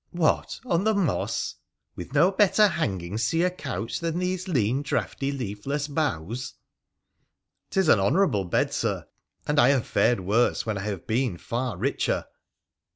' What, on the moss ? with no better hangings to your couch than these lean, draughty, leafless boughs ?'' 'Tis an honourable bed, Sir, and I have fared worse when I have been far richer.'